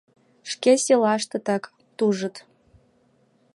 Шке селаштетак! — тужыт.